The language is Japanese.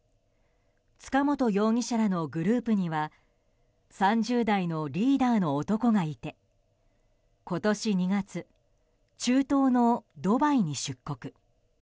塚本容疑者らのグループには３０代のリーダーの男がいて今年２月、中東のドバイに出国。